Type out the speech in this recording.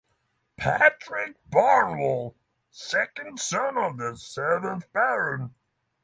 Patrick Barnewall, second son of the seventh Baron.